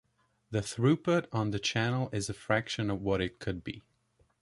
The throughput on the channel is a fraction of what it could be.